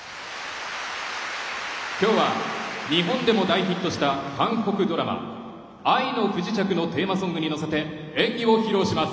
きょうは日本でも大ヒットした韓国ドラマ「愛の不時着」のテーマソングに乗せて演技を披露します。